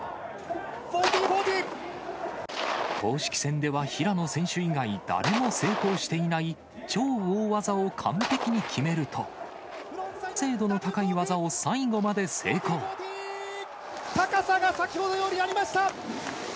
公式戦では、平野選手以外、誰も成功していない、超大技を完璧に決めると、高さが先ほどよりありました。